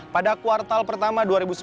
pada kuartal pertama dua ribu sembilan belas